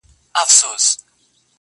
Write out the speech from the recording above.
د دې بې دردو په ټاټوبي کي بازار نه لري-